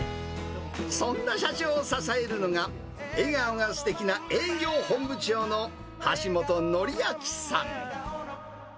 そんな社長を支えるのが笑顔がすてきな営業本部長の橋本憲明さん。